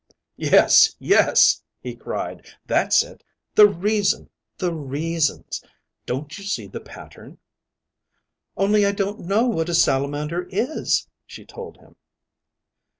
"Yes, yes!" he cried. "That's it. The reason, the reasons ... Don't you see the pattern?" "Only I don't know what a Salamander is," she told him.